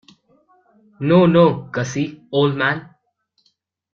No, no, Gussie, old man.